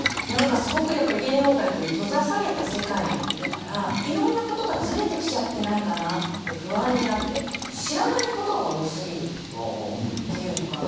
すごくやっぱり芸能界という閉ざされた世界にいるから色んなことがずれてきちゃってないかなって不安になってっていうのかな